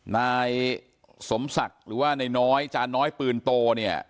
นายสมศักดิ์หรือว่านายน้อยจานน้อยปืนโตเนี่ย